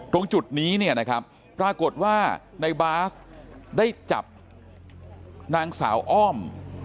ตรงจุดนี้เนี่ยนะครับปรากฏว่าในบาสได้จับนางสาวอ้อม